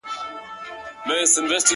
ځوان خپل څادر پر سر کړ’